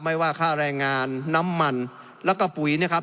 ไม่ว่าค่าแรงงานน้ำมันแล้วก็ปุ๋ยนะครับ